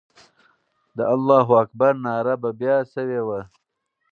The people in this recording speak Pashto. د الله اکبر ناره به بیا سوې وه.